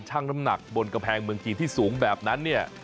น้ำหนักบนกำแพงเมืองจีนที่สูงแบบนั้นเนี่ย